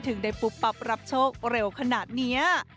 ถึงได้ปุ๊บปั๊บรับโชคเร็วขนาดนี้